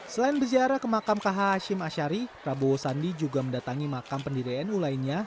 selain berziarah ke makam kh hashim ashari prabowo sandi juga mendatangi makam pendiri nu lainnya